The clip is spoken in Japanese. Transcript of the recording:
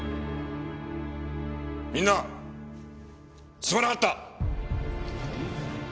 みんなすまなかった！